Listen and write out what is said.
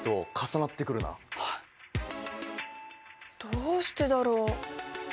どうしてだろう？